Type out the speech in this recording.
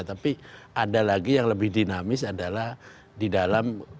tapi ada lagi yang lebih dinamis adalah di dalam